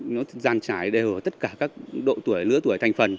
nó giàn trải đều ở tất cả các độ tuổi lứa tuổi thành phần